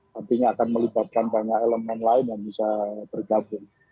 nantinya akan melibatkan banyak elemen lain yang bisa bergabung